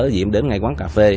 diễm đến ngay quán cà phê